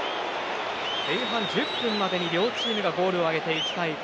前半１０分までに両チームがゴールを挙げて１対１。